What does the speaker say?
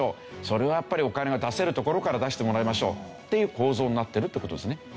それはやっぱりお金が出せるところから出してもらいましょうっていう構造になってるって事ですね。